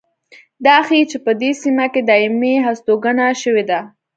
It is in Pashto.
دا ښيي چې په دې سیمه کې دایمي هستوګنه شوې ده.